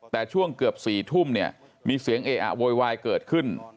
แต่ช่วงเกือบ๔ทุ่มเนี่ยมีเสียงเออะโวยวายเกิดขึ้น